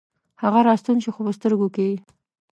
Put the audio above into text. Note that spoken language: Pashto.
هغه راستون شو، خوپه سترګوکې یې